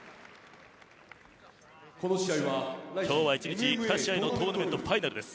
今日は１日２試合のトーナメントファイナルです。